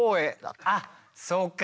あっそうか！